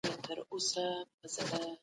عسکري موزیکونه پرلهپسې غږېدل.